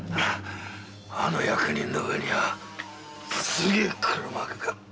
あの役人の上にはすげえ黒幕が。